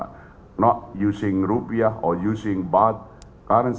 tidak menggunakan rupiah atau menggunakan kewangan